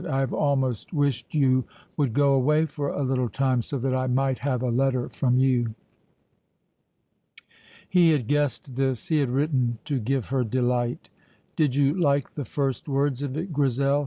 "I have almost wished you would go away for a little time, so that I might have a letter from you." He had guessed this. He had written to give her delight. "Did you like the first words of it, Grizel?"